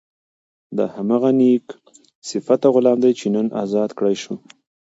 دا هماغه نېک صفته غلام دی چې نن ازاد کړای شو.